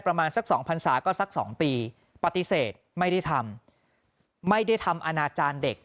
ประมาณสักสองพันศาก็สัก๒ปีปฏิเสธไม่ได้ทำไม่ได้ทำอนาจารย์เด็ก